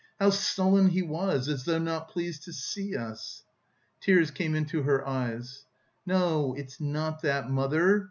How sullen he was, as though not pleased to see us...." Tears came into her eyes. "No, it's not that, mother.